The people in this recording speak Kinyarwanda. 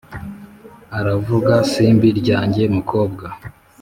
uravuga «simbi ryange mukobwa